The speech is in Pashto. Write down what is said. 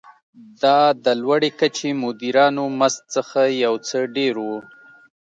دا د لوړې کچې مدیرانو مزد څخه یو څه ډېر و.